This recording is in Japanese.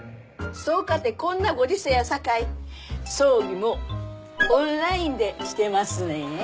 そうかてこんなご時世やさかい葬儀もオンラインでしてますねんえ。